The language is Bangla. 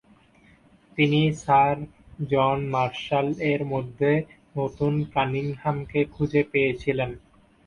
তিনি স্যার জন মার্শাল-এর মধ্যে নতুন কানিংহামকে খুঁজে পেয়েছিলেন।